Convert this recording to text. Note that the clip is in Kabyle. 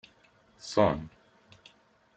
Ṣun.